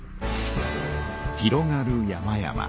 広がる山々。